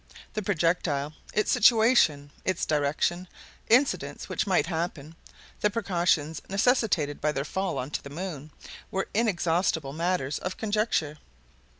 The projectile, its situation, its direction, incidents which might happen, the precautions necessitated by their fall on to the moon, were inexhaustible matters of conjecture.